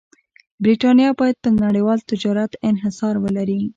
برېټانیا باید پر نړیوال تجارت انحصار ولري.